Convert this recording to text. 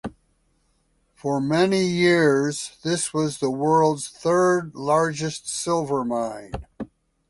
For many years, this was the world's third largest silver mine.